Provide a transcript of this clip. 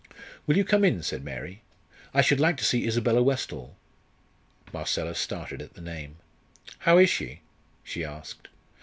"Will you come in?" said Mary. "I should like to see Isabella Westall." Marcella started at the name. "How is she?" she asked.